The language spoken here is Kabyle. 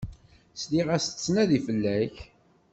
Sliɣ-as tettnadi fell-ak.